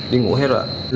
đi ngủ hết rồi